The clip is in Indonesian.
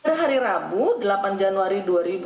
pada hari rabu delapan januari dua ribu dua puluh